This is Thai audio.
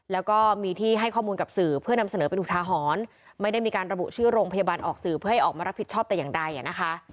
แล้วก็มีที่ให้ข้อมูลกับสื่อเพื่อนำเสนอเป็นอุทาหรณ์ไม่ได้มีการระบุชื่อโรงพยาบาลออกสื่อเพื่อให้ออกมารับผิดชอบแต่อย่างใดอ่ะนะคะ